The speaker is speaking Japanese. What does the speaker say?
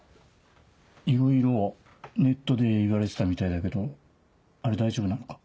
いろいろネットで言われてたみたいだけどあれ大丈夫なのか？